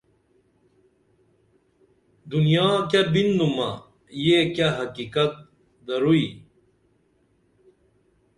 دنیا کیہ بنُمہ یہ کیہ حقیقت دروئی